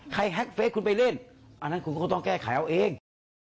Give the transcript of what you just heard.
แฮ็กเฟสคุณไปเล่นอันนั้นคุณก็ต้องแก้ไขเอาเอง